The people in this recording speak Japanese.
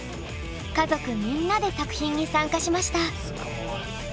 家族みんなで作品に参加しました。